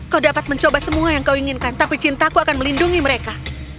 kau dapat mencoba semua yang kau inginkan tapi cintaku akan melindungi mereka